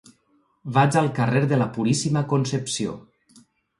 Vaig al carrer de la Puríssima Concepció.